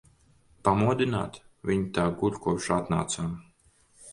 Pamodināt? Viņa tā guļ, kopš atnācām.